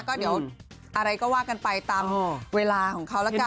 ก็เดี๋ยวอะไรก็ว่ากันไปตามเวลาของเขาละกัน